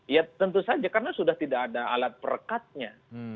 ya tentu saja karena sudah tidak ada alat perekatnya